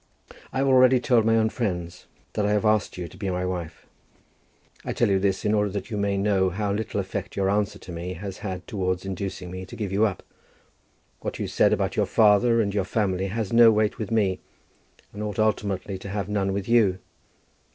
I have already told my own friends that I have asked you to be my wife. I tell you this, in order that you may know how little effect your answer to me has had towards inducing me to give you up. What you said about your father and your family has no weight with me, and ought ultimately to have none with you.